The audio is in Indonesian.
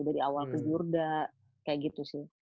dari awal ke jurda kayak gitu sih